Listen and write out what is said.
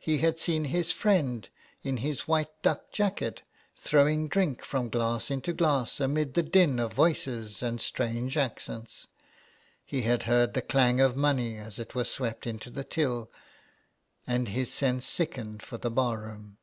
He had seen his friend in his white duck jacket throwing drink from glass into glass amid the din of voices and strange accents ; he had heard the clang of money as it was swept into the till, and his sense sickened for the bar room.